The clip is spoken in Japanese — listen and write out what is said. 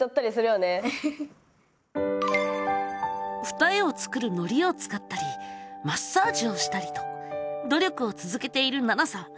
二重を作るのりを使ったりマッサージをしたりと努力をつづけているななさん。